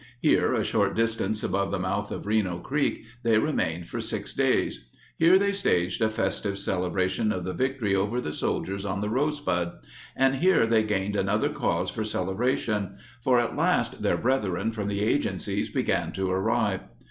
Here, a short distance above the mouth of Reno Creek, they remained for six days. Here they staged a festive celebration of the victory over the soldiers on the Rosebud. And here they gained another cause for celebration, for at last their brethren from the agen cies began to arrive.